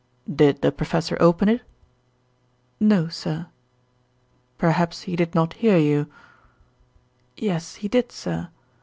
"Did the professor open it?" "No, sir." "Perhaps he did not hear you?" "Yes, he did, sir.